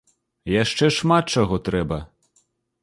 Яшчэ шмат чаго трэба.